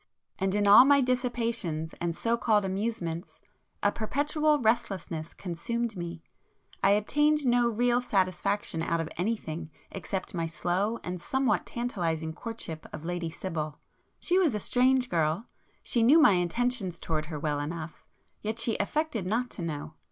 And in all my dissipations and so called amusements, a perpetual restlessness consumed me,—I obtained no real satisfaction out of anything except my slow and somewhat tantalizing courtship of Lady Sibyl. She was a strange girl; she knew my intentions towards her well enough; yet she affected not to know.